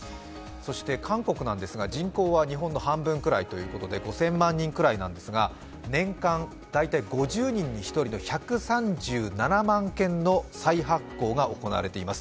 韓国ですが、人口は日本の半分くらいということで、５０００万人くらいなんですが、年間５０人に１人の１３７万件の再発行が行われています。